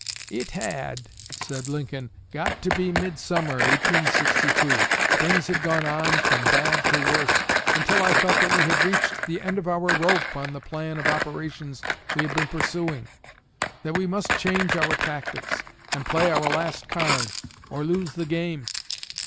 "It had," said Lincoln, "got to be midsummer, 1862. Things had gone on from bad to worse, until I felt that we had reached the end of our rope on the plan of operations we had been pursuing; that we must change our tactics and play our last card, or lose the game.